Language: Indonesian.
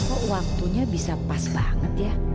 kok waktunya bisa pas banget ya